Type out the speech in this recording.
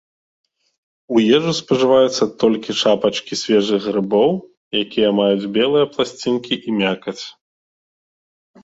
У ежу спажываецца толькі шапачкі свежых грыбоў, якія маюць белыя пласцінкі і мякаць.